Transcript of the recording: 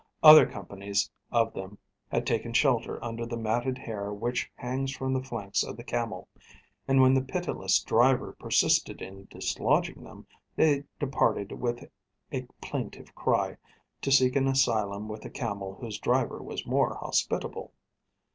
Other companies of them had taken shelter under the matted hair which hangs from the flanks of the camel; and when the pitiless driver persisted in dislodging them, they departed with a plaintive cry, to seek an asylum with a camel whose driver was more hospitable.